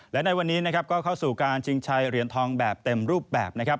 และในวันนี้ก็เข้าสู่การชิงชัยเรียนทองแบบเต็มรูปแบบ